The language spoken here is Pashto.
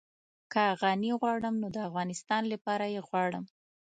که غني غواړم نو د افغانستان لپاره يې غواړم.